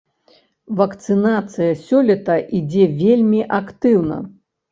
Вакцынацыя сёлета ідзе вельмі актыўна.